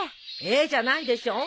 「えっ」じゃないでしょ。